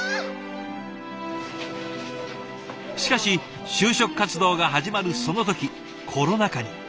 しかし就職活動が始まるその時コロナ禍に。